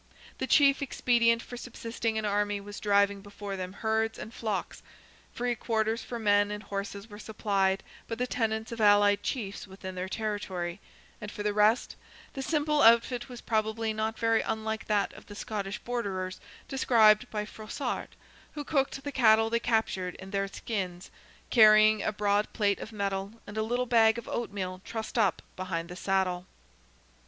The chief expedient for subsisting an army was driving before them herds and flocks; free quarters for men and horses were supplied by the tenants of allied chiefs within their territory, and for the rest, the simple outfit was probably not very unlike that of the Scottish borderers described by Froissart, who cooked the cattle they captured in their skins, carrying a broad plate of metal and a little bag of oatmeal trussed up behind the saddle.